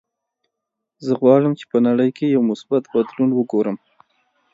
زه غواړم چې په نړۍ کې یو مثبت بدلون وګورم.